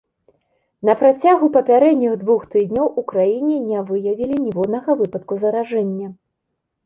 На працягу папярэдніх двух тыдняў у краіне ня выявілі ніводнага выпадку заражэння.